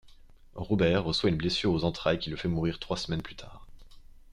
Robert reçoit une blessure aux entrailles qui le fait mourir trois semaines plus tard.